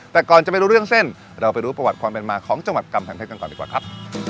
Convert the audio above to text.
แต่ก่อนจะไม่รู้เรื่องเส้นเราไปรู้ประวัติความเป็นมาของจังหวัดกำแพงเพชรกันก่อนดีกว่าครับ